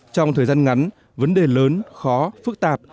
trong thời gian ngắn vấn đề lớn khó phức tạp